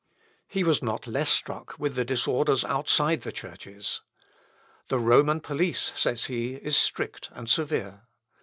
He was not less struck with the disorders outside the churches. "The Roman police," says he, "is strict and severe.